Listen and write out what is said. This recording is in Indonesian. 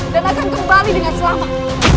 dan akan kembali dengan selamat